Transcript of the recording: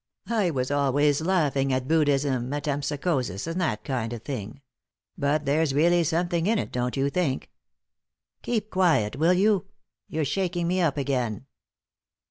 I was always laughing at Buddhism, metempsychosis, and that kind of thing. But there's really something in it, don't you think? Keep quiet, will you? You're shaking me up again."